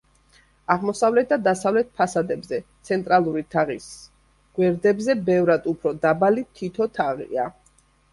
აღმოსავლეთ და დასავლეთ ფასადებზე, ცენტრალური თაღის გვერდებზე, ბევრად უფრო დაბალი თითო თაღია.